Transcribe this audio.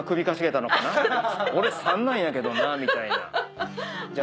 「俺三男やけどな」みたいな。